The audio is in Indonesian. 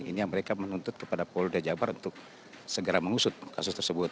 ini yang mereka menuntut kepada polda jabar untuk segera mengusut kasus tersebut